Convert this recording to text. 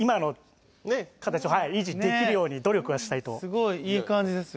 すごいいい感じです。